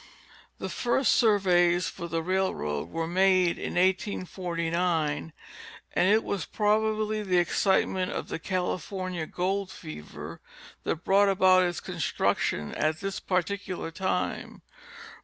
The first surveys for the railroad were made in 1849, and it was probably the excitement of the California gold fever that brought about its construction at this particular time.